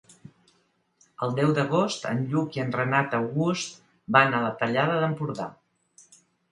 El deu d'agost en Lluc i en Renat August van a la Tallada d'Empordà.